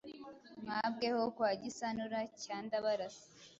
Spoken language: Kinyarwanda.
Mwabweho kwa Gisanura cya ndabarasa